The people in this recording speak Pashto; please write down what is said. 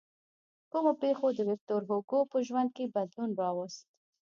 کومو پېښو د ویکتور هوګو په ژوند کې بدلون راوست.